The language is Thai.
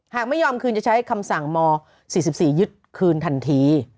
หากไม่ยอมคืนจะใช้คำสั่งม๔๔ยึดคืนทันที